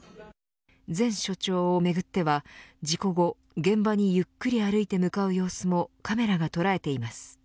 前署長をめぐっては事故後、現場にゆっくり歩いて向かう様子もカメラが捉えています。